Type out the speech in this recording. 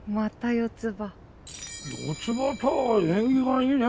四つ葉たあ縁起がいいね。